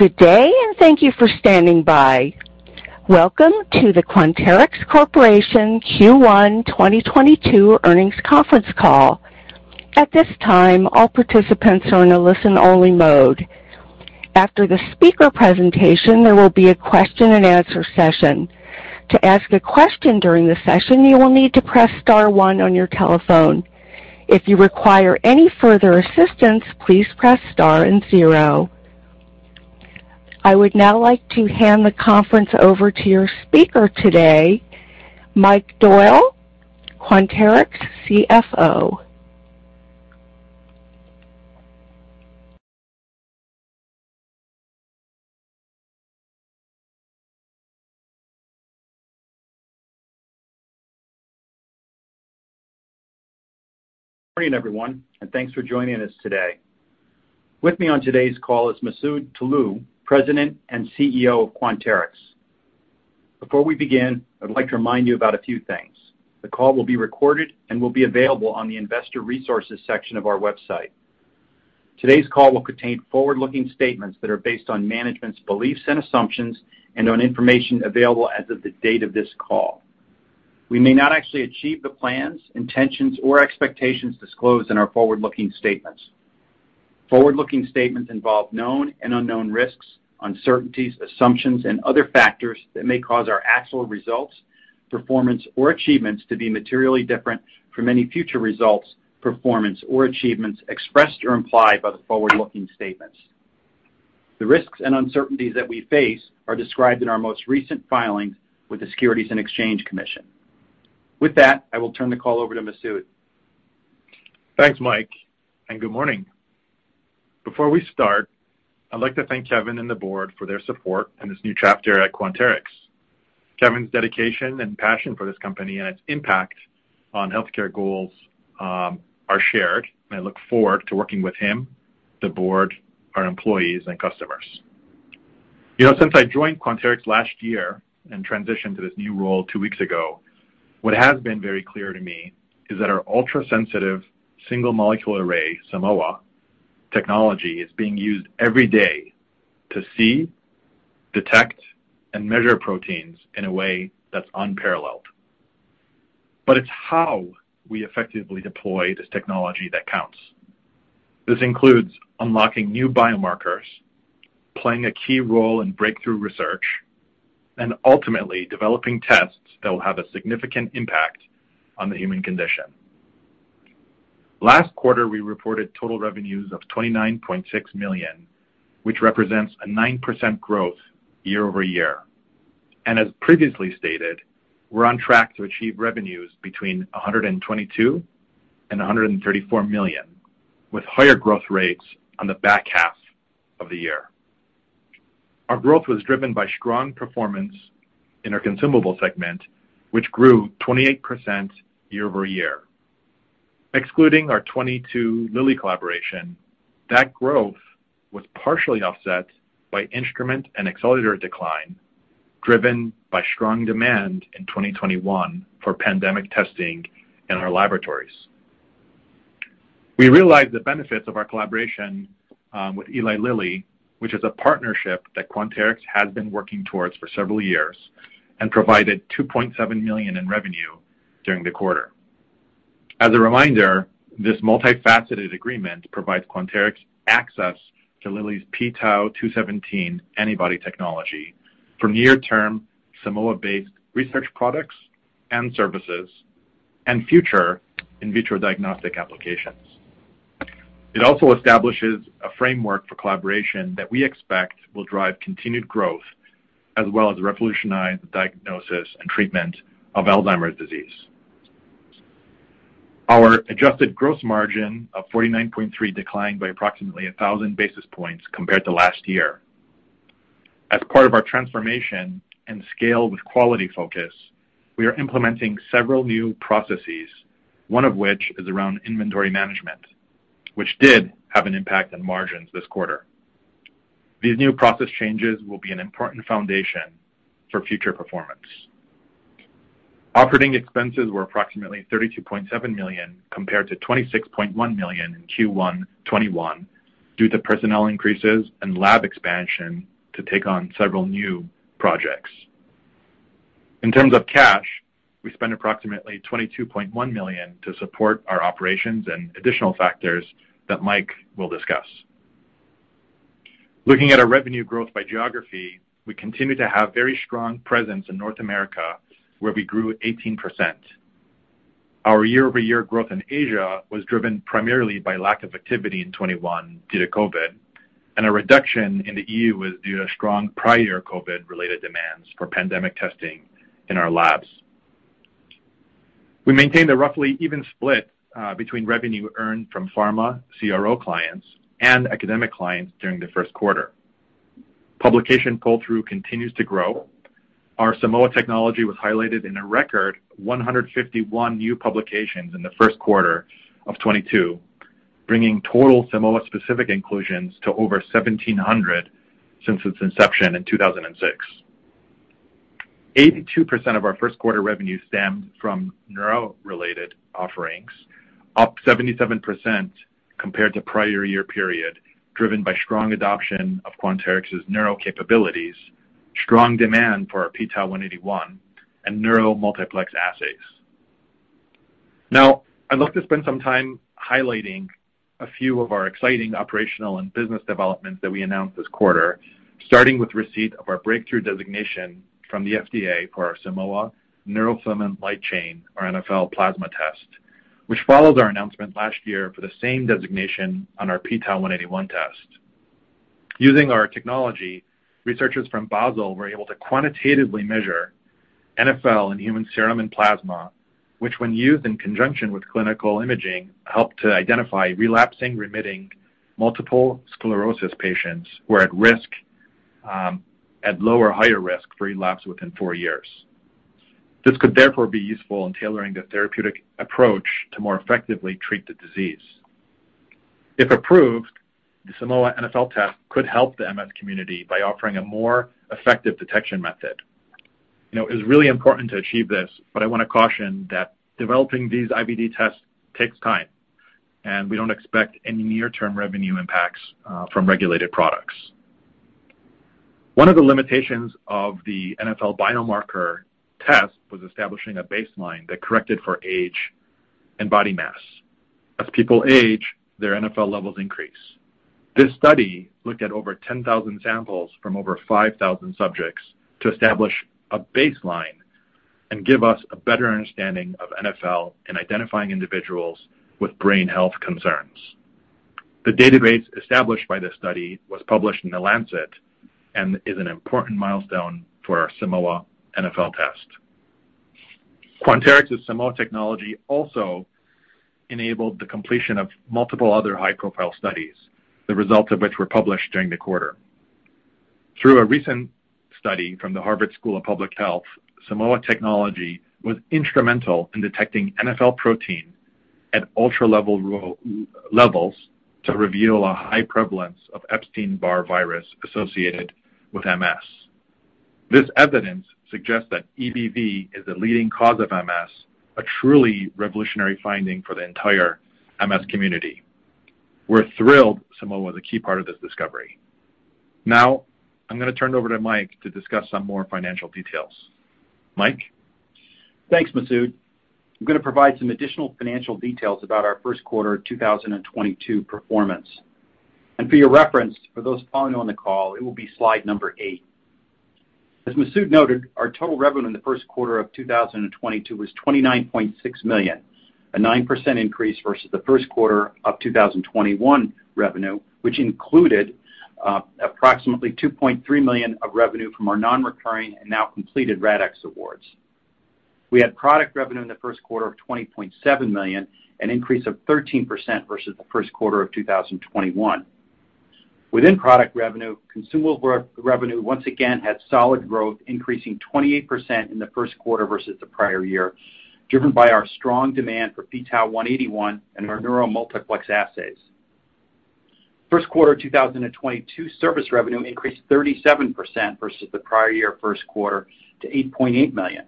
Good day, and thank you for standing by. Welcome to the Quanterix Corporation Q1 2022 earnings conference call. At this time, all participants are in a listen-only mode. After the speaker presentation, there will be a question and answer session. To ask a question during the session, you will need to press star one on your telephone. If you require any further assistance, please press star and zero. I would now like to hand the conference over to your speaker today, Mike Doyle, Quanterix CFO. Morning, everyone, and thanks for joining us today. With me on today's call is Masoud Toloue, President and CEO of Quanterix. Before we begin, I'd like to remind you about a few things. The call will be recorded and will be available on the investor resources section of our website. Today's call will contain forward-looking statements that are based on management's beliefs and assumptions and on information available as of the date of this call. We may not actually achieve the plans, intentions, or expectations disclosed in our forward-looking statements. Forward-looking statements involve known and unknown risks, uncertainties, assumptions, and other factors that may cause our actual results, performance, or achievements to be materially different from any future results, performance, or achievements expressed or implied by the forward-looking statements. The risks and uncertainties that we face are described in our most recent filings with the Securities and Exchange Commission. With that, I will turn the call over to Masoud. Thanks, Mike, and good morning. Before we start, I'd like to thank Kevin and the board for their support in this new chapter at Quanterix. Kevin's dedication and passion for this company and its impact on healthcare goals are shared. I look forward to working with him, the board, our employees and customers. You know, since I joined Quanterix last year and transitioned to this new role two weeks ago, what has been very clear to me is that our ultrasensitive single-molecule array, Simoa technology, is being used every day to see, detect, and measure proteins in a way that's unparalleled. It's how we effectively deploy this technology that counts. This includes unlocking new biomarkers, playing a key role in breakthrough research, and ultimately developing tests that will have a significant impact on the human condition. Last quarter, we reported total revenues of $29.6 million, which represents a 9% growth year over year. As previously stated, we're on track to achieve revenues between $122 million and $134 million, with higher growth rates on the back half of the year. Our growth was driven by strong performance in our consumable segment, which grew 28% year over year. Excluding our 2022 Lilly collaboration, that growth was partially offset by instrument and accelerator decline, driven by strong demand in 2021 for pandemic testing in our laboratories. We realized the benefits of our collaboration with Eli Lilly, which is a partnership that Quanterix has been working towards for several years, and provided $2.7 million in revenue during the quarter. As a reminder, this multifaceted agreement provides Quanterix access to Lilly's p-Tau 217 antibody technology for near-term Simoa-based research products and services and future in vitro diagnostic applications. It also establishes a framework for collaboration that we expect will drive continued growth as well as revolutionize the diagnosis and treatment of Alzheimer's disease. Our adjusted gross margin of 49.3% declined by approximately 1,000 basis points compared to last year. As part of our transformation and scale with quality focus, we are implementing several new processes, one of which is around inventory management, which did have an impact on margins this quarter. These new process changes will be an important foundation for future performance. Operating expenses were approximately $32.7 million, compared to $26.1 million in Q1 2021, due to personnel increases and lab expansion to take on several new projects. In terms of cash, we spent approximately $22.1 million to support our operations and additional factors that Mike will discuss. Looking at our revenue growth by geography, we continue to have very strong presence in North America, where we grew 18%. Our year-over-year growth in Asia was driven primarily by lack of activity in 2021 due to COVID, and a reduction in the EU was due to strong prior COVID-related demands for pandemic testing in our labs. We maintained a roughly even split between revenue earned from pharma CRO clients and academic clients during the first quarter. Publication pull-through continues to grow. Our Simoa technology was highlighted in a record 151 new publications in the first quarter of 2022, bringing total Simoa-specific inclusions to over 1,700 since its inception in 2006. 82% of our first quarter revenue stemmed from neuro-related offerings, up 77% compared to prior year period, driven by strong adoption of Quanterix's neuro capabilities, strong demand for our p-Tau 181 and neuro multiplex assays. Now, I'd like to spend some time highlighting a few of our exciting operational and business developments that we announced this quarter, starting with receipt of our breakthrough designation from the FDA for our Simoa neurofilament light chain, or NfL plasma test, which follows our announcement last year for the same designation on our p-Tau 181 test. Using our technology, researchers from Basel were able to quantitatively measure NfL in human serum and plasma, which, when used in conjunction with clinical imaging, helped to identify relapsing remitting multiple sclerosis patients who are at risk, at low or higher risk for relapse within four years. This could therefore be useful in tailoring the therapeutic approach to more effectively treat the disease. If approved, the Simoa NfL test could help the MS community by offering a more effective detection method. You know, it was really important to achieve this, but I want to caution that developing these IVD tests takes time, and we don't expect any near-term revenue impacts, from regulated products. One of the limitations of the NfL biomarker test was establishing a baseline that corrected for age and body mass. As people age, their NfL levels increase. This study looked at over 10,000 samples from over 5,000 subjects to establish a baseline and give us a better understanding of NfL in identifying individuals with brain health concerns. The database established by this study was published in The Lancet and is an important milestone for our Simoa NfL test. Quanterix's Simoa technology also enabled the completion of multiple other high-profile studies, the results of which were published during the quarter. Through a recent study from the Harvard T.H. Chan School of Public Health, Simoa technology was instrumental in detecting NfL protein at ultra levels to reveal a high prevalence of Epstein-Barr virus associated with MS. This evidence suggests that EBV is the leading cause of MS, a truly revolutionary finding for the entire MS community. We're thrilled Simoa was a key part of this discovery. Now I'm going to turn it over to Mike to discuss some more financial details. Mike? Thanks, Masoud. I'm going to provide some additional financial details about our first quarter 2022 performance. For your reference, for those following on the call, it will be slide 8. As Masoud noted, our total revenue in the first quarter of 2022 was $29.6 million, a 9% increase versus the first quarter of 2021 revenue, which included approximately $2.3 million of revenue from our non-recurring and now completed RADx awards. We had product revenue in the first quarter of $20.7 million, an increase of 13% versus the first quarter of 2021. Within product revenue, consumable revenue once again had solid growth, increasing 28% in the first quarter versus the prior year, driven by our strong demand for p-Tau 181 and our neuro multiplex assays. First quarter 2022 service revenue increased 37% versus the prior year first quarter to $8.8 million.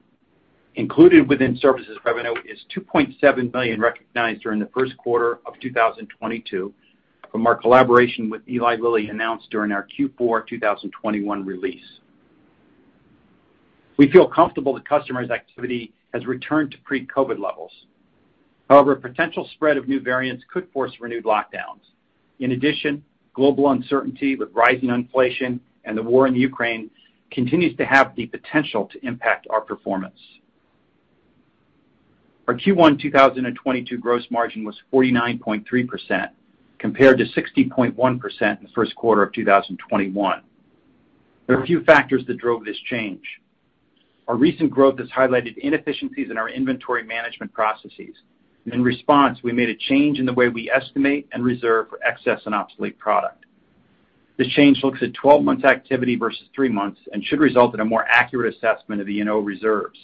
Included within services revenue is $2.7 million recognized during the first quarter of 2022 from our collaboration with Eli Lilly, announced during our Q4 2021 release. We feel comfortable that customers' activity has returned to pre-COVID levels. However, potential spread of new variants could force renewed lockdowns. In addition, global uncertainty with rising inflation and the war in Ukraine continues to have the potential to impact our performance. Our Q1 2022 gross margin was 49.3%, compared to 60.1% in the first quarter of 2021. There are a few factors that drove this change. Our recent growth has highlighted inefficiencies in our inventory management processes. In response, we made a change in the way we estimate and reserve for excess and obsolete product. This change looks at 12 months activity versus three months and should result in a more accurate assessment of E&O reserves.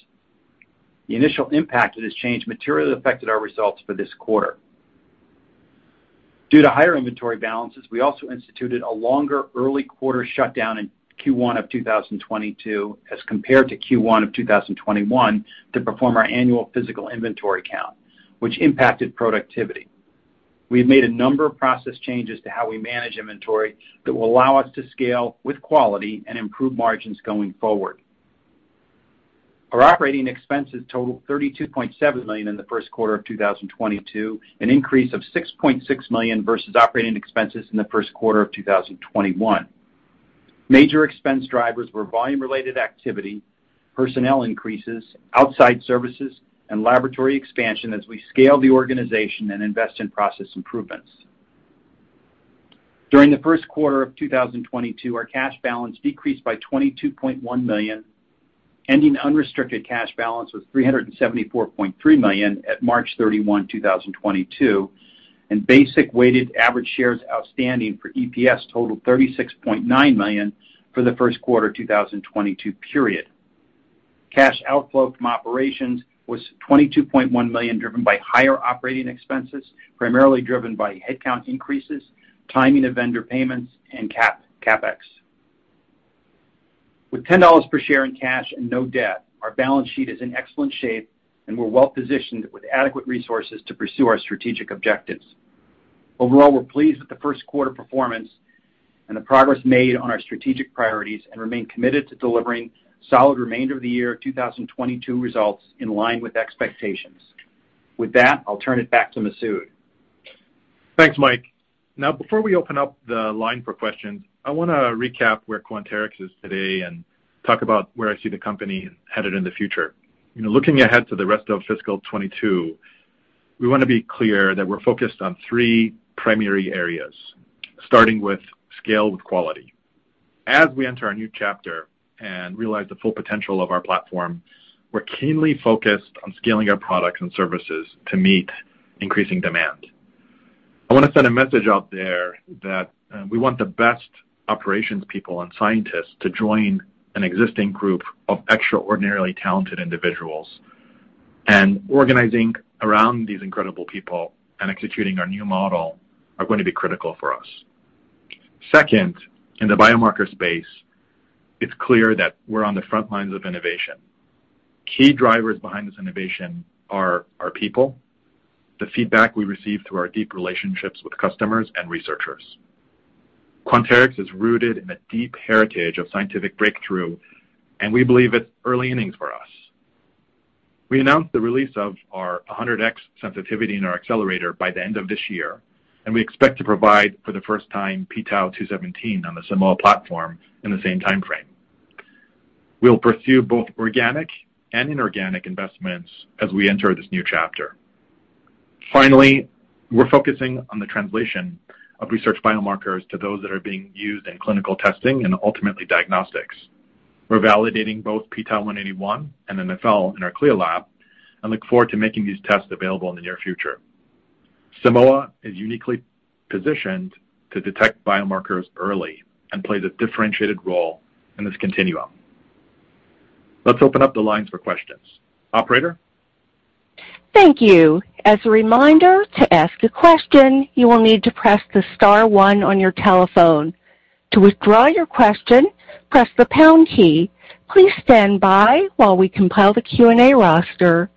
The initial impact of this change materially affected our results for this quarter. Due to higher inventory balances, we also instituted a longer early quarter shutdown in Q1 of 2022 as compared to Q1 of 2021 to perform our annual physical inventory count, which impacted productivity. We've made a number of process changes to how we manage inventory that will allow us to scale with quality and improve margins going forward. Our operating expenses totaled $32.7 million in the first quarter of 2022, an increase of $6.6 million versus operating expenses in the first quarter of 2021. Major expense drivers were volume related activity, personnel increases, outside services, and laboratory expansion as we scale the organization and invest in process improvements. During the first quarter of 2022, our cash balance decreased by $22.1 million, ending unrestricted cash balance of $374.3 million at March 31, 2022, and basic weighted average shares outstanding for EPS totaled 36.9 million for the first quarter 2022 period. Cash outflow from operations was $22.1 million, driven by higher operating expenses, primarily driven by headcount increases, timing of vendor payments and CapEx. With $10 per share in cash and no debt, our balance sheet is in excellent shape, and we're well-positioned with adequate resources to pursue our strategic objectives. Overall, we're pleased with the first quarter performance and the progress made on our strategic priorities, and remain committed to delivering solid remainder of the year 2022 results in line with expectations. With that, I'll turn it back to Masoud. Thanks, Mike. Now, before we open up the line for questions, I want to recap where Quanterix is today and talk about where I see the company headed in the future. You know, looking ahead to the rest of fiscal 2022, we want to be clear that we're focused on three primary areas, starting with scale with quality. As we enter our new chapter and realize the full potential of our platform, we're keenly focused on scaling our products and services to meet increasing demand. I want to send a message out there that, we want the best operations people and scientists to join an existing group of extraordinarily talented individuals. Organizing around these incredible people and executing our new model are going to be critical for us. Second, in the biomarker space, it's clear that we're on the front lines of innovation. Key drivers behind this innovation are our people, the feedback we receive through our deep relationships with customers and researchers. Quanterix is rooted in a deep heritage of scientific breakthrough, and we believe it's early innings for us. We announced the release of our 100X sensitivity in our accelerator by the end of this year, and we expect to provide for the first time p-Tau 217 on the Simoa platform in the same time frame. We'll pursue both organic and inorganic investments as we enter this new chapter. Finally, we're focusing on the translation of research biomarkers to those that are being used in clinical testing and ultimately diagnostics. We're validating both p-Tau 181 and NfL in our CLIA Lab and look forward to making these tests available in the near future. Simoa is uniquely positioned to detect biomarkers early and plays a differentiated role in this continuum. Let's open up the lines for questions. Operator? Thank you. As a reminder, to ask a question, you will need to press the star one on your telephone. To withdraw your question, press the pound key. Please stand by while we compile the Q&A roster.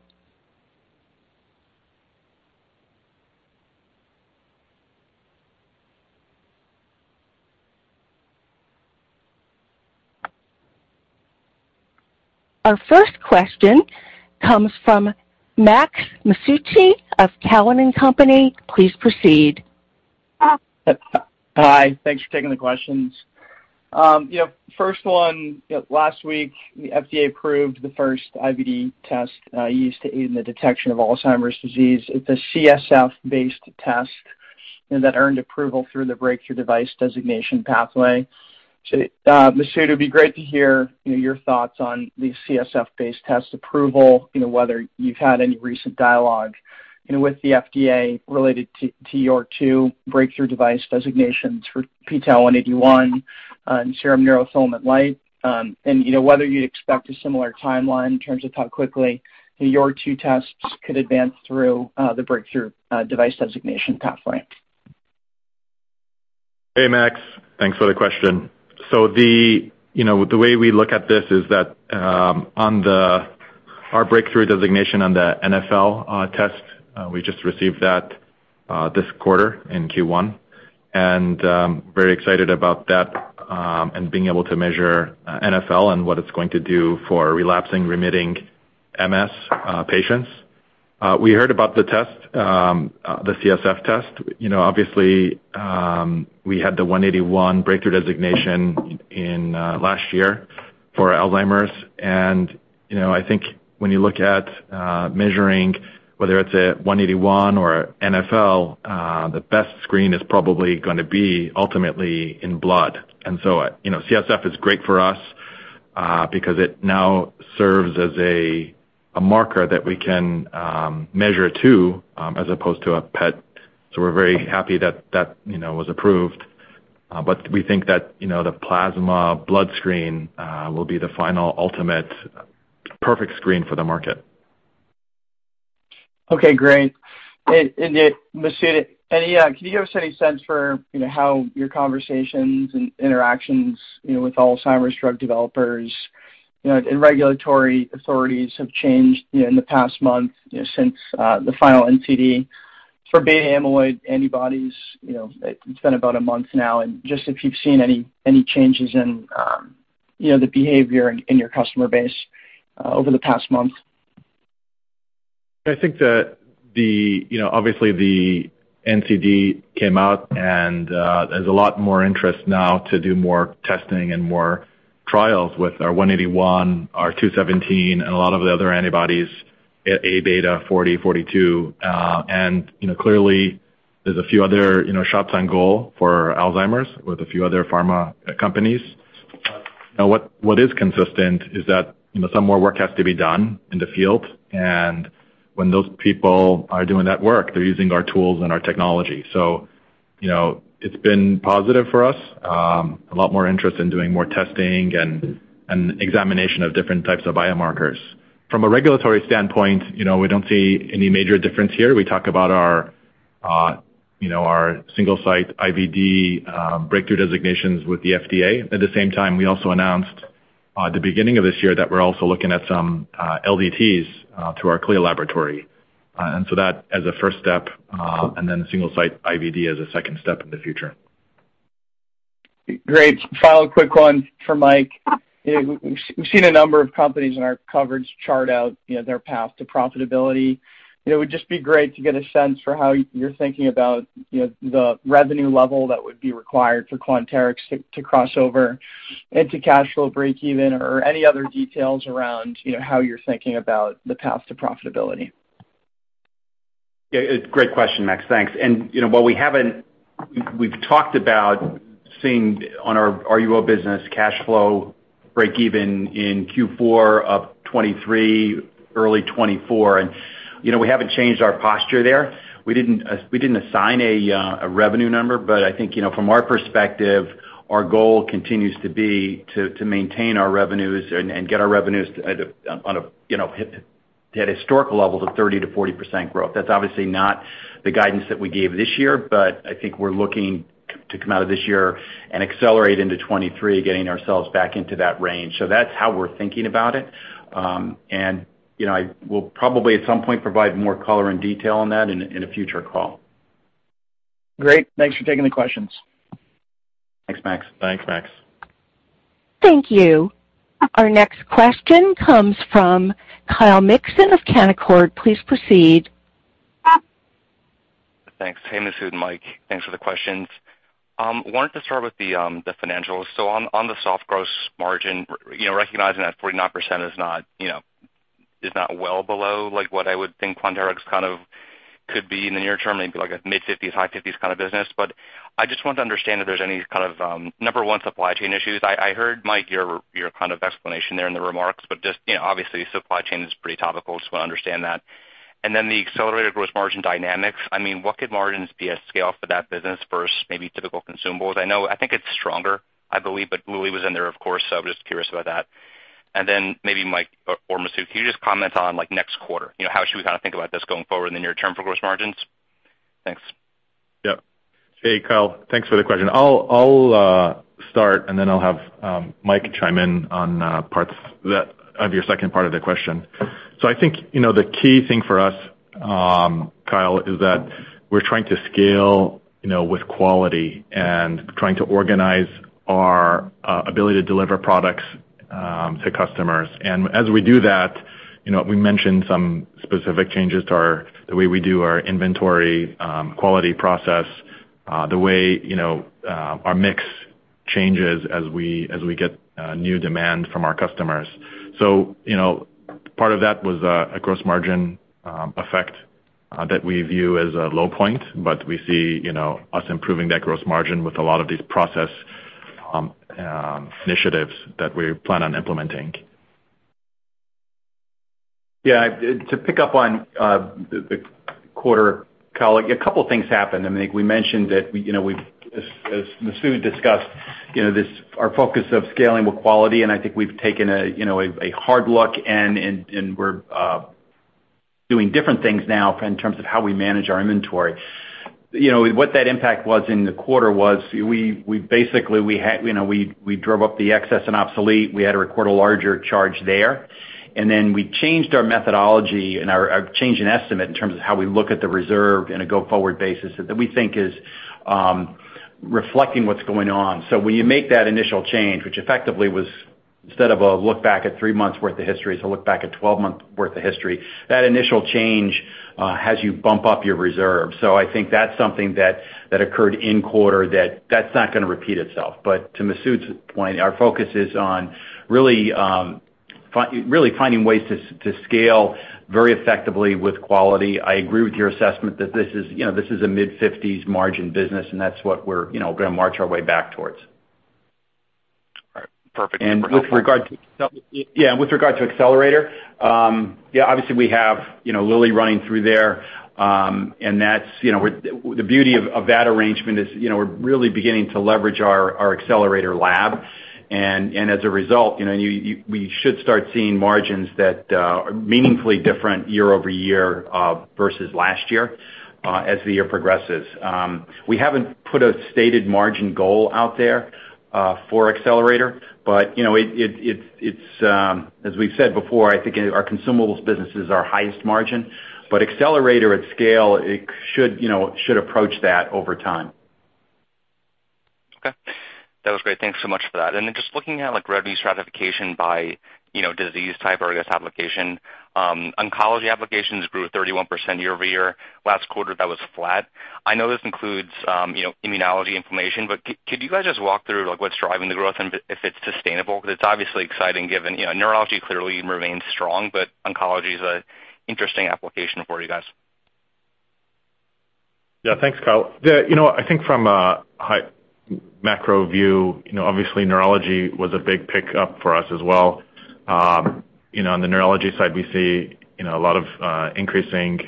Our first question comes from Max Masucci of Cowen and Company. Please proceed. Hi. Thanks for taking the questions. You know, first one, last week, the FDA approved the first IVD test used to aid in the detection of Alzheimer's disease. It's a CSF-based test that earned approval through the Breakthrough Device Designation pathway. Masoud, it'd be great to hear, you know, your thoughts on the CSF-based test approval, you know, whether you've had any recent dialogue, you know, with the FDA related to your two Breakthrough Device Designations for p-Tau 181 and serum neurofilament light, and, you know, whether you'd expect a similar timeline in terms of how quickly your two tests could advance through the Breakthrough Device Designation pathway. Hey, Max. Thanks for the question. You know, the way we look at this is that on our breakthrough designation on the NfL test we just received that this quarter in Q1, and very excited about that, and being able to measure NfL and what it's going to do for relapsing remitting MS patients. We heard about the test, the CSF test. You know, obviously, we had the 181 breakthrough designation in last year for Alzheimer's. You know, I think when you look at measuring whether it's a 181 or NfL, the best screen is probably going to be ultimately in blood. You know, CSF is great for us because it now serves as a marker that we can measure, too, as opposed to a PET. We're very happy that, you know, was approved. We think that, you know, the plasma blood screen will be the final ultimate perfect screen for the market. Okay, great. Masoud, and yeah, can you give us any sense for, you know, how your conversations and interactions, you know, with Alzheimer's drug developers, you know, and regulatory authorities have changed, you know, in the past month since the final NCD for beta amyloid antibodies? You know, it's been about a month now. Just if you've seen any changes in, you know, the behavior in your customer base over the past month. I think that, you know, obviously the NCD came out and there's a lot more interest now to do more testing and more trials with our p-Tau 181, our p-Tau 217, and a lot of the other antibodies, Aβ40/Aβ42. You know, clearly there's a few other shots on goal for Alzheimer's with a few other pharma companies. Now, what is consistent is that, you know, some more work has to be done in the field. When those people are doing that work, they're using our tools and our technology. You know, it's been positive for us. A lot more interest in doing more testing and examination of different types of biomarkers. From a regulatory standpoint, you know, we don't see any major difference here. We talk about our, you know, our single-site IVD breakthrough designations with the FDA. At the same time, we also announced the beginning of this year that we're also looking at some LDTs through our CLIA laboratory. That as a first step, and then single site IVD as a second step in the future. Great. Final quick one for Mike. We've seen a number of companies in our coverage chart out, you know, their path to profitability. You know, it would just be great to get a sense for how you're thinking about, you know, the revenue level that would be required for Quanterix to cross over into cash flow breakeven or any other details around, you know, how you're thinking about the path to profitability. Yeah, great question, Max. Thanks. You know, while we haven't, we've talked about seeing on our RUO business cash flow breakeven in Q4 of 2023, early 2024. You know, we haven't changed our posture there. We didn't assign a revenue number, but I think, you know, from our perspective, our goal continues to be to maintain our revenues and get our revenues on a, you know, at historical levels of 30%-40% growth. That's obviously not the guidance that we gave this year, but I think we're looking to come out of this year and accelerate into 2023, getting ourselves back into that range. That's how we're thinking about it. You know, I will probably at some point provide more color and detail on that in a future call. Great. Thanks for taking the questions. Thanks, Max. Thanks, Max. Thank you. Our next question comes from Kyle Mikson of Canaccord. Please proceed. Thanks. Hey, Masoud and Mike. Thanks for the questions. Wanted to start with the financials. On the soft gross margin, you know, recognizing that 49% is not well below, like, what I would think Quanterix kind of could be in the near term, maybe like a mid-50s, high 50s kind of business. But I just want to understand if there's any kind of number one, supply chain issues. I heard, Mike, your kind of explanation there in the remarks, but just, you know, obviously, supply chain is pretty topical, just wanna understand that. Then the Accelerator gross margin dynamics. I mean, what could margins be at scale for that business versus maybe typical consumables? I know, I think it's stronger, I believe, but Lilly was in there, of course, so just curious about that. Maybe Mike or Masoud, can you just comment on, like, next quarter? You know, how should we kind of think about this going forward in the near term for gross margins? Thanks. Yeah. Hey, Kyle, thanks for the question. I'll start, and then I'll have Mike chime in on parts of your second part of the question. I think, you know, the key thing for us, Kyle, is that we're trying to scale, you know, with quality and trying to organize our ability to deliver products to customers. As we do that, you know, we mentioned some specific changes to the way we do our inventory quality process, the way, you know, our mix changes as we get new demand from our customers. you know, part of that was a gross margin effect that we view as a low point, but we see, you know, us improving that gross margin with a lot of these process initiatives that we plan on implementing. Yeah. To pick up on the quarter, Kyle, a couple things happened. I think we mentioned that you know, we as Masoud discussed, you know, this, our focus of scaling with quality, and I think we've taken a you know, a hard look and we're doing different things now in terms of how we manage our inventory. You know, what that impact was in the quarter was we basically had you know, we drove up the excess and obsolete. We had to record a larger charge there. Then we changed our methodology and our changing estimate in terms of how we look at the reserve on a go-forward basis that we think is reflecting what's going on. When you make that initial change, which effectively was instead of a look back at three months worth of history, it's a look back at twelve-month worth of history. That initial change has you bump up your reserve. I think that's something that occurred in quarter that's not gonna repeat itself. But to Masoud's point, our focus is on really finding ways to scale very effectively with quality. I agree with your assessment that this is, you know, this is a mid-fifties margin business, and that's what we're, you know, gonna march our way back towards. All right. Perfect. With regard to. Thanks so much. Yeah, with regard to Accelerator, yeah, obviously we have, you know, Lilly running through there, and that's, you know. The beauty of that arrangement is, you know, we're really beginning to leverage our Accelerator lab. As a result, you know, we should start seeing margins that are meaningfully different year-over-year versus last year as the year progresses. We haven't put a stated margin goal out there for Accelerator, but you know, it's, as we've said before, I think our consumables business is our highest margin, but Accelerator at scale, it should, you know, approach that over time. Okay. That was great. Thanks so much for that. Just looking at, like, revenue stratification by, you know, disease type or I guess application, oncology applications grew 31% year-over-year. Last quarter, that was flat. I know this includes, you know, immunology inflammation, but could you guys just walk through, like, what's driving the growth and if it's sustainable? Because it's obviously exciting given, you know, neurology clearly remains strong, but oncology is an interesting application for you guys. Yeah. Thanks, Kyle. Yeah, you know, I think from a high macro view, you know, obviously neurology was a big pickup for us as well. You know, on the neurology side, we see, you know, a lot of increasing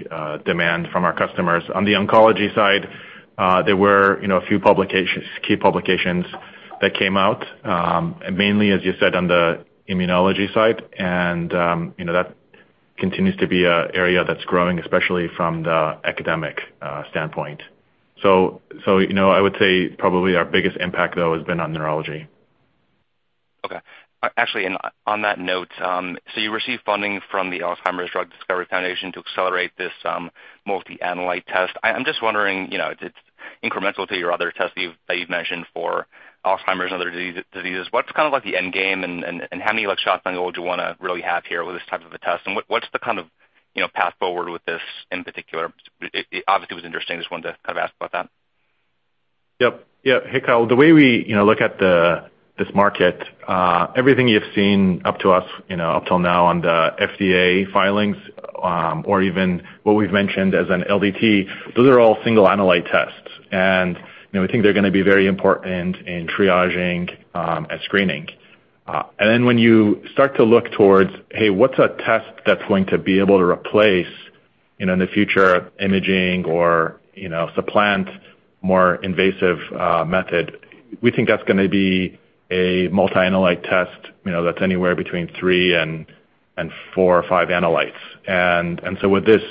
demand from our customers. On the oncology side, there were, you know, a few publications, key publications that came out, mainly, as you said, on the immunology side, and, you know, that continues to be an area that's growing, especially from the academic standpoint. So, you know, I would say probably our biggest impact, though, has been on neurology. Okay. Actually, on that note, you received funding from the Alzheimer's Drug Discovery Foundation to accelerate this multi-analyte test. I'm just wondering, you know, it's incremental to your other tests that you've mentioned for Alzheimer's and other diseases. What's kind of like the end game and how many, like, shots on goal do you wanna really have here with this type of a test? What's the kind of, you know, path forward with this in particular? It obviously was interesting. Just wanted to kind of ask about that. Yep. Yeah. Hey, Kyle. The way we, you know, look at this market, everything you've seen up to now, you know, up till now on the FDA filings, or even what we've mentioned as an LDT, those are all single analyte tests. You know, we think they're gonna be very important in triaging and screening. Then when you start to look towards, hey, what's a test that's going to be able to replace, you know, in the future imaging or, you know, supplant more invasive method, we think that's gonna be a multi-analyte test, you know, that's anywhere between three and four or five analytes. With this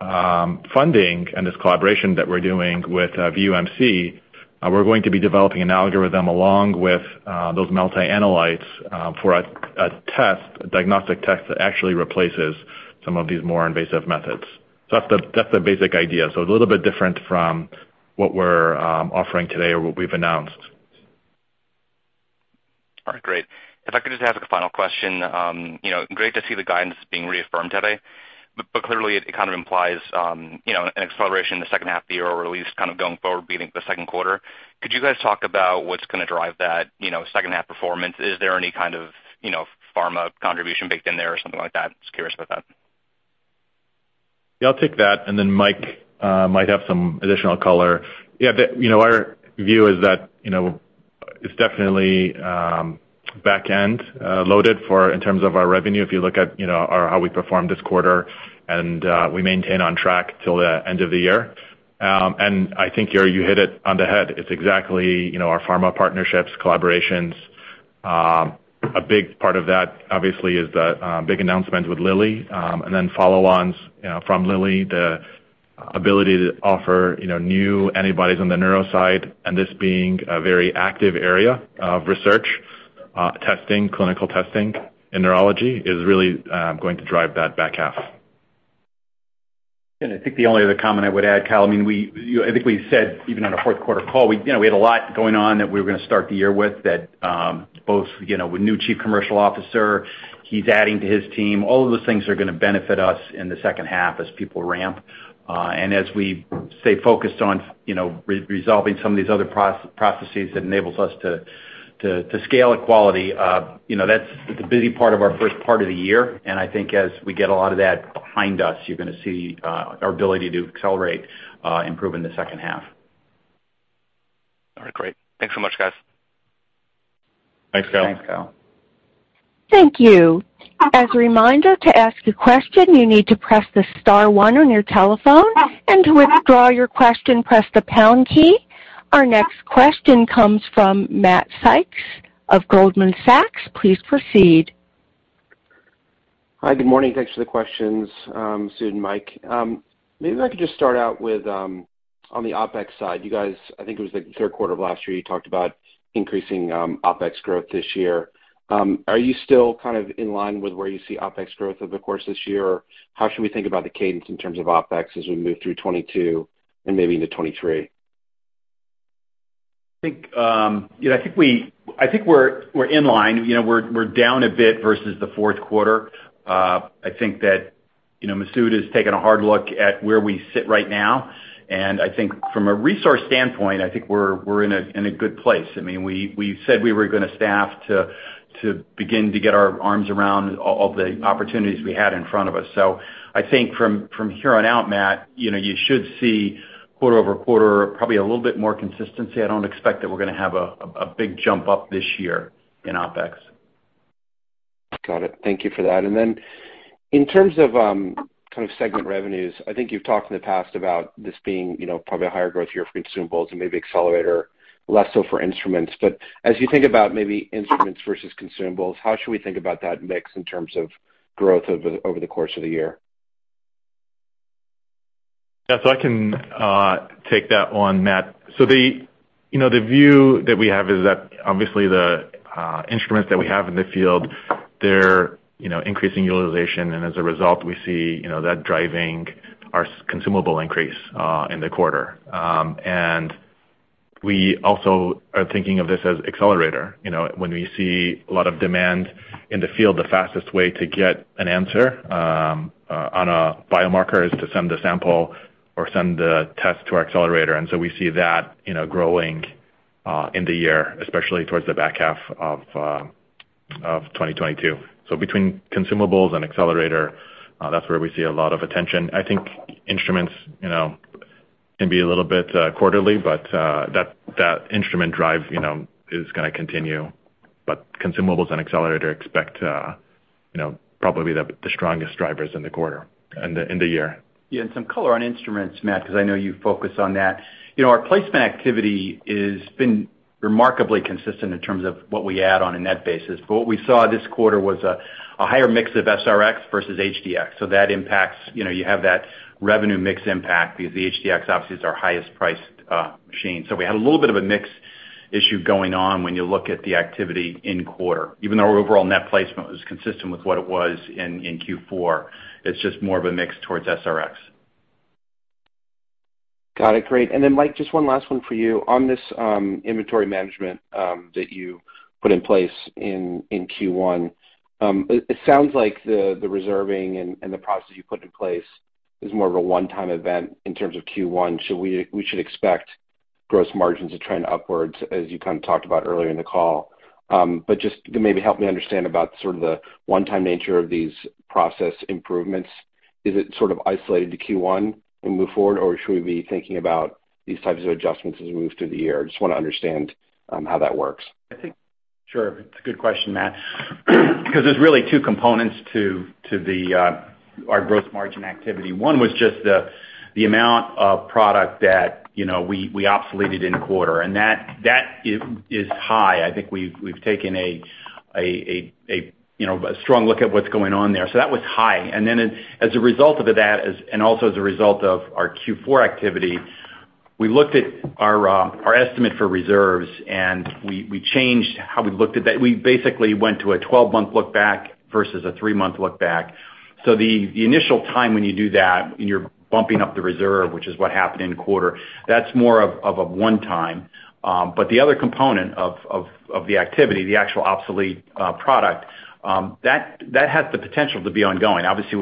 funding and this collaboration that we're doing with VUMC, we're going to be developing an algorithm along with those multi-analytes for a t-a test, a diagnostic test that actually replaces some of these more invasive methods. That's the basic idea. A little bit different from what we're offering today or what we've announced. All right, great. If I could just ask a final question. You know, great to see the guidance being reaffirmed today, but clearly it kind of implies, you know, an acceleration in the second half of the year or at least kind of going forward beating the second quarter. Could you guys talk about what's gonna drive that, you know, second half performance? Is there any kind of, you know, pharma contribution baked in there or something like that? Just curious about that. Yeah, I'll take that, and then Mike might have some additional color. Yeah, you know, our view is that, you know, it's definitely back-end loaded in terms of our revenue, if you look at, you know, how we performed this quarter and we maintain on track till the end of the year. I think you hit it on the head. It's exactly, you know, our pharma partnerships, collaborations. A big part of that obviously is the big announcement with Lilly, and then follow-ons, you know, from Lilly, the ability to offer, you know, new antibodies on the neuro side, and this being a very active area of research, testing, clinical testing in neurology is really going to drive that back half. I think the only other comment I would add, Kyle, I mean, we. You know, I think we said even on a fourth quarter call, we, you know, we had a lot going on that we were gonna start the year with that, both, you know, with new chief commercial officer, he's adding to his team. All of those things are gonna benefit us in the second half as people ramp. And as we stay focused on, you know, resolving some of these other processes that enables us to scale scalability, you know, that's the busy part of our first part of the year, and I think as we get a lot of that behind us, you're gonna see our ability to accelerate improve in the second half. All right, great. Thanks so much, guys. Thanks, Kyle. Thanks, Kyle. Thank you. As a reminder, to ask a question, you need to press the star one on your telephone. To withdraw your question, press the pound key. Our next question comes from Matt Sykes of Goldman Sachs. Please proceed. Hi, good morning. Thanks for the questions, Sud and Mike. Maybe if I could just start out with on the OpEx side. You guys, I think it was the third quarter of last year, you talked about increasing OpEx growth this year. Are you still kind of in line with where you see OpEx growth over the course of this year? How should we think about the cadence in terms of OpEx as we move through 2022 and maybe into 2023? I think we're in line. You know, we're down a bit versus the fourth quarter. I think that Masoud has taken a hard look at where we sit right now, and I think from a resource standpoint, I think we're in a good place. I mean, we said we were gonna staff to begin to get our arms around all the opportunities we had in front of us. I think from here on out, Matt, you know, you should see quarter-over-quarter probably a little bit more consistency. I don't expect that we're gonna have a big jump up this year in OpEx. Got it. Thank you for that. In terms of, kind of segment revenues, I think you've talked in the past about this being, you know, probably a higher growth year for consumables and maybe accelerator, less so for instruments. As you think about maybe instruments versus consumables, how should we think about that mix in terms of growth over the course of the year? Yeah. I can take that one, Matt. The view that we have is that obviously the instruments that we have in the field, they're you know, increasing utilization, and as a result, we see you know, that driving our consumable increase in the quarter. We also are thinking of this as Accelerator. You know, when we see a lot of demand in the field, the fastest way to get an answer on a biomarker is to send a sample or send the test to our Accelerator. We see that you know, growing in the year, especially towards the back half of 2022. Between consumables and Accelerator, that's where we see a lot of attention. I think instruments, you know, can be a little bit quarterly, but that instrument drive, you know, is gonna continue. Consumables and Accelerator expect, you know, probably the strongest drivers in the quarter, in the year. Yeah. Some color on instruments, Matt, because I know you focus on that. You know, our placement activity is been remarkably consistent in terms of what we add on a net basis. What we saw this quarter was a higher mix of SR-X versus HD-X. That impacts, you know, you have that revenue mix impact because the HD-X obviously is our highest priced machine. We had a little bit of a mix issue going on when you look at the activity in quarter, even though our overall net placement was consistent with what it was in Q4. It's just more of a mix towards SR-X. Got it. Great. Mike, just one last one for you. On this, inventory management, that you put in place in Q1, it sounds like the reserving and the process you put in place is more of a one-time event in terms of Q1. We should expect gross margins to trend upwards as you kind of talked about earlier in the call. Just maybe help me understand about sort of the one-time nature of these process improvements. Is it sort of isolated to Q1 and move forward, or should we be thinking about these types of adjustments as we move through the year? I just wanna understand how that works. I think. Sure. It's a good question, Matt, because there's really two components to our growth margin activity. One was just the amount of product that, you know, we obsoleted in quarter, and that is high. I think we've taken a, you know, a strong look at what's going on there. That was high. Then as a result of that, and also as a result of our Q4 activity, we looked at our estimate for reserves, and we changed how we looked at that. We basically went to a 12-month look back versus a 3-month look back. The initial time when you do that and you're bumping up the reserve, which is what happened in quarter, that's more of a one time. The other component of the activity, the actual obsolete product that has the potential to be ongoing. Obviously,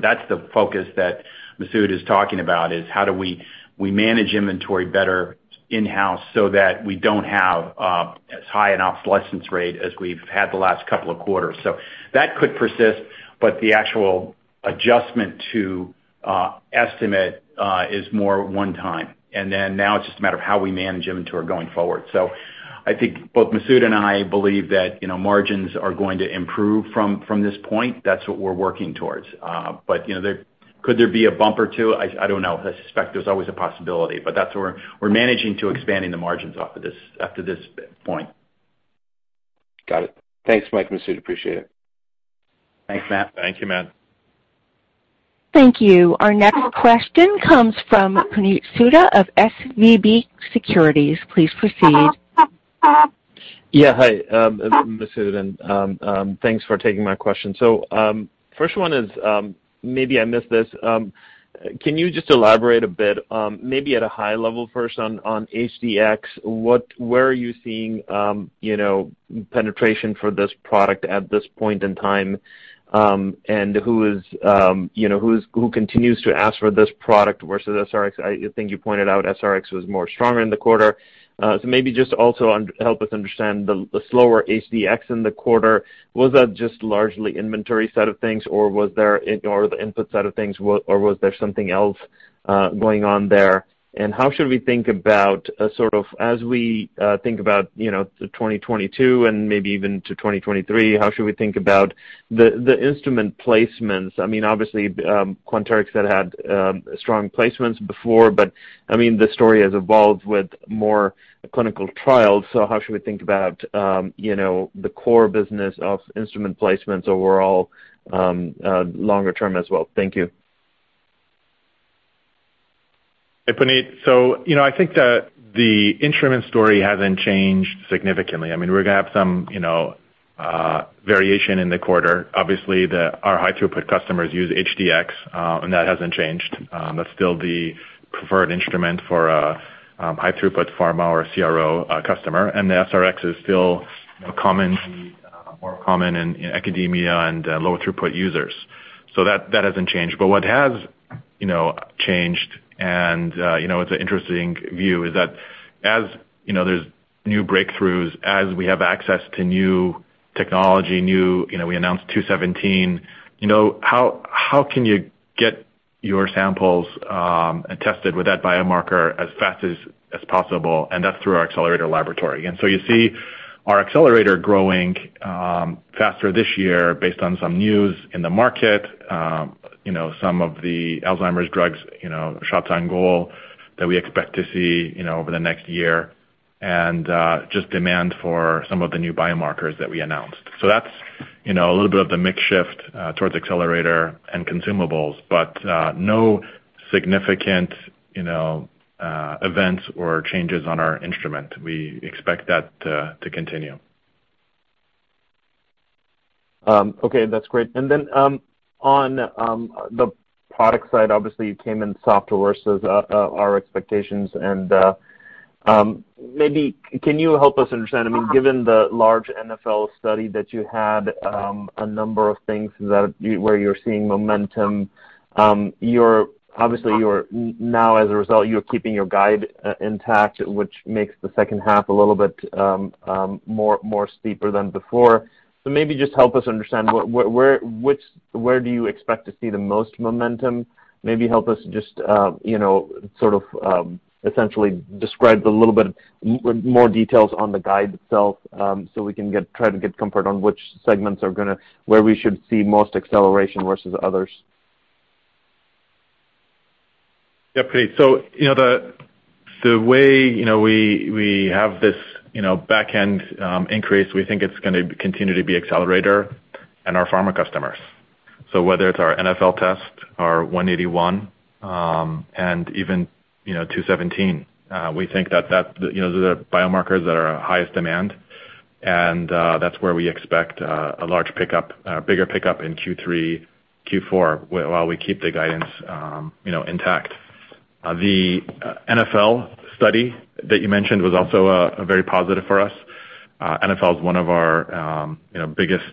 that's the focus that Masoud is talking about, is how do we manage inventory better in-house so that we don't have as high an obsolescence rate as we've had the last couple of quarters. That could persist, but the actual adjustment to estimate is more one time, and then now it's just a matter of how we manage inventory going forward. I think both Masoud and I believe that, you know, margins are going to improve from this point. That's what we're working towards. You know, there could be a bump or two? I don't know. I suspect there's always a possibility, but that's where we're managing to expand the margins off of this after this point. Got it. Thanks, Mike and Masoud. Appreciate it. Thanks, Matt. Thank you, Matt. Thank you. Our next question comes from Puneet Souda of SVB Securities. Please proceed. Yeah, hi, Masoud, and thanks for taking my question. First one is, maybe I missed this. Can you just elaborate a bit, maybe at a high level first on HD-X, where are you seeing, you know, penetration for this product at this point in time? And who is, you know, who continues to ask for this product versus SR-X? I think you pointed out SR-X was stronger in the quarter. So maybe just also help us understand the slower HD-X in the quarter, was that just largely inventory side of things or was there or the input side of things, or was there something else going on there? How should we think about sort of as we think about you know 2022 and maybe even to 2023 how should we think about the instrument placements? I mean obviously Quanterix had strong placements before but I mean the story has evolved with more clinical trials. How should we think about you know the core business of instrument placements overall longer term as well? Thank you. Hey, Puneet. You know, I think the instrument story hasn't changed significantly. I mean, we're gonna have some, you know, variation in the quarter. Obviously, our high throughput customers use HD-X, and that hasn't changed. That's still the preferred instrument for high throughput pharma or CRO customer. And the SR-X is still common, more common in academia and lower throughput users. That hasn't changed. What has changed and, you know, it's an interesting view, is that as, you know, there's new breakthroughs, as we have access to new technology. You know, we announced 217, you know, how can you get your samples tested with that biomarker as fast as possible? And that's through our Accelerator Laboratory. You see our Accelerator growing faster this year based on some news in the market, you know, some of the Alzheimer's drugs, you know, shots on goal that we expect to see, you know, over the next year and just demand for some of the new biomarkers that we announced. That's, you know, a little bit of the mix shift towards Accelerator and consumables, but no significant, you know, events or changes on our instrument. We expect that to continue. Okay, that's great. On the product side, obviously you came in softer versus our expectations and maybe can you help us understand, I mean, given the large NfL study that you had, a number of things where you're seeing momentum, you're obviously now as a result, you're keeping your guide intact, which makes the second half a little bit more steeper than before. Maybe just help us understand what where do you expect to see the most momentum? Maybe help us just you know, sort of essentially describe the little bit more details on the guide itself, so we can try to get comfort on which segments are gonna where we should see most acceleration versus others. Yeah, great. You know, the way you know we have this back-end increase, we think it's gonna continue to be accelerator in our pharma customers. Whether it's our NfL test, our 181, and even you know 217, we think that you know the biomarkers that are highest demand and that's where we expect a large pickup, a bigger pickup in Q3, Q4 while we keep the guidance you know intact. The NfL study that you mentioned was also very positive for us. NfL is one of our you know biggest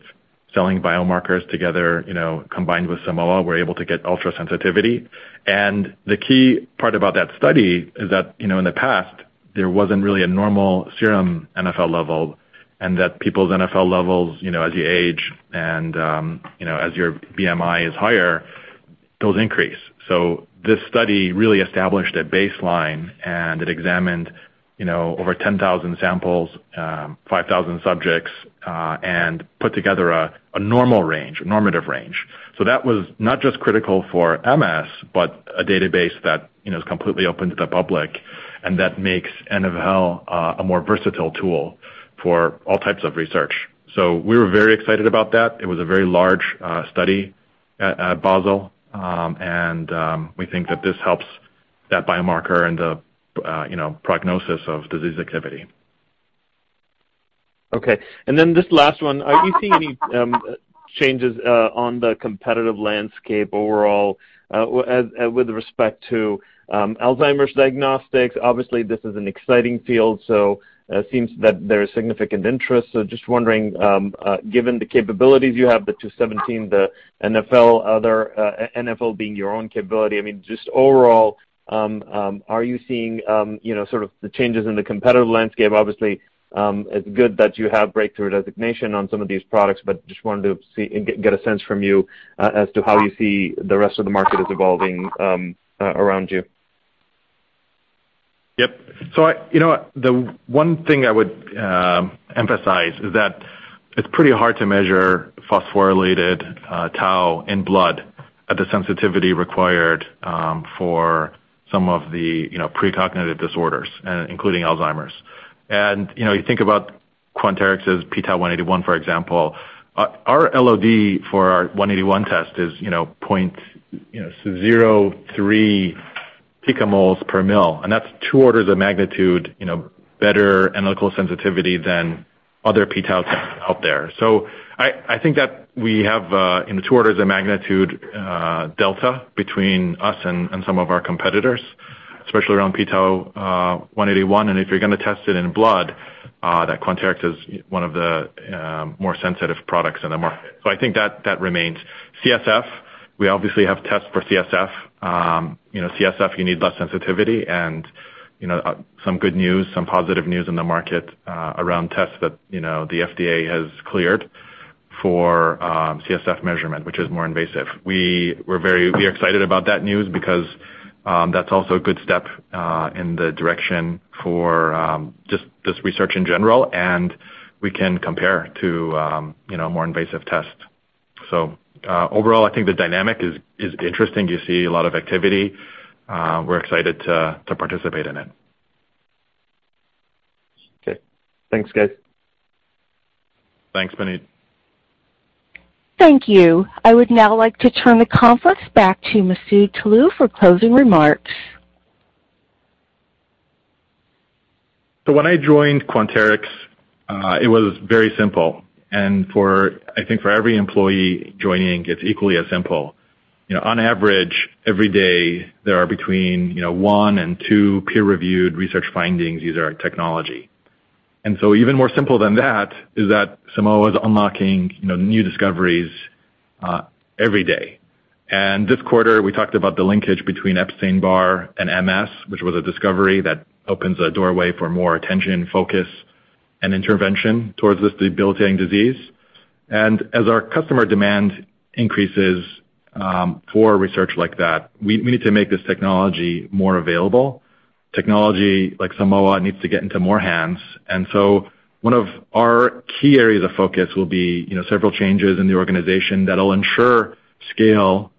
selling biomarkers together, you know, combined with Simoa, we're able to get ultra sensitivity. The key part about that study is that, you know, in the past, there wasn't really a normal serum NfL level and that people's NfL levels, you know, as you age and, you know, as your BMI is higher, those increase. This study really established a baseline, and it examined, you know, over 10,000 samples, 5,000 subjects, and put together a normal range, a normative range. That was not just critical for MS, but a database that, you know, is completely open to the public, and that makes NfL a more versatile tool for all types of research. We were very excited about that. It was a very large study at Basel. We think that this helps that biomarker and the, you know, prognosis of disease activity. Okay. This last one. Are you seeing any changes on the competitive landscape overall, with respect to Alzheimer's diagnostics? Obviously, this is an exciting field, so it seems that there is significant interest. Just wondering, given the capabilities you have, the 217, the NfL, other NfL being your own capability, I mean, just overall, are you seeing, you know, sort of the changes in the competitive landscape? Obviously, it's good that you have breakthrough designation on some of these products, but just wanted to see and get a sense from you, as to how you see the rest of the market is evolving, around you. You know what? The one thing I would emphasize is that it's pretty hard to measure phosphorylated tau in blood at the sensitivity required for some of the pre-cognitive disorders including Alzheimer's. You know, you think about Quanterix's p-Tau 181, for example. Our LOD for our 181 test is 0.03 picomoles per mL, and that's two orders of magnitude better analytical sensitivity than other p-Tau tests out there. I think that we have two orders of magnitude delta between us and some of our competitors, especially around p-Tau 181. If you're gonna test it in blood, that Quanterix is one of the more sensitive products in the market. I think that remains. CSF, we obviously have tests for CSF. You know, CSF, you need less sensitivity and, you know, some good news, some positive news in the market around tests that, you know, the FDA has cleared for CSF measurement, which is more invasive. We are excited about that news because that's also a good step in the direction for just research in general, and we can compare to you know, more invasive tests. Overall, I think the dynamic is interesting. You see a lot of activity. We're excited to participate in it. Okay. Thanks, guys. Thanks, Puneet. Thank you. I would now like to turn the conference back to Masoud Toloue for closing remarks. When I joined Quanterix, it was very simple. I think for every employee joining, it's equally as simple. You know, on average, every day, there are between one and two peer-reviewed research findings using our technology. Even more simple than that is that Simoa is unlocking, you know, new discoveries every day. This quarter, we talked about the linkage between Epstein-Barr and MS, which was a discovery that opens a doorway for more attention, focus, and intervention towards this debilitating disease. As our customer demand increases for research like that, we need to make this technology more available. Technology like Simoa needs to get into more hands. One of our key areas of focus will be, you know, several changes in the organization that'll ensure scale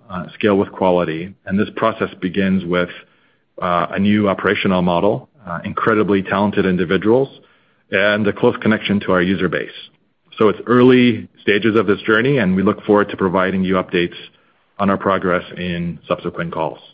with quality. This process begins with a new operational model, incredibly talented individuals and a close connection to our user base. It's early stages of this journey, and we look forward to providing you updates on our progress in subsequent calls.